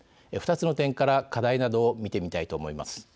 ２つの点から課題などを見てみたいと思います。